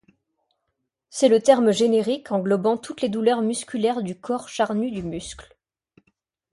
C'est le terme générique englobant toutes les douleurs musculaires du corps charnu du muscle.